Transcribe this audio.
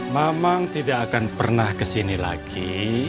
memang tidak akan pernah kesini lagi